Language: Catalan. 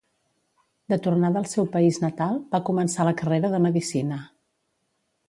De tornada al seu país natal, va començar la carrera de medicina.